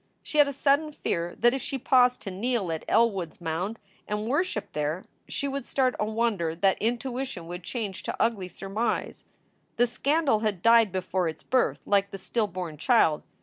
She had a sudden fear that if she paused to kneel at Elwood s mound and worship there she would start a wonder that intuition would change to ugly surmise. The scandal had died before its birth, like the still born child.